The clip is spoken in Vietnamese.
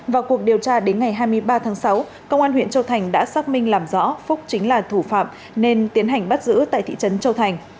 vào cuộc điều tra đến ngày hai mươi ba tháng sáu công an huyện châu thành đã xác minh làm rõ phúc chính là thủ phạm nên tiến hành bắt giữ tại thị trấn châu thành